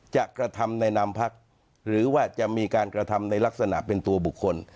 จะกระทำในนามพักหรือว่าจะมีการกระทำในลักษณะเป็นตัวบุคคล